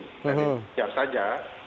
jadi siap saja